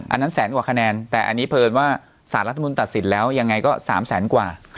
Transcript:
อันนั้นแสนกว่าคะแนนแต่อันนี้เพลินว่าสารรัฐมนุนตัดสินแล้วยังไงก็๓แสนกว่า